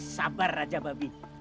sabar raja babi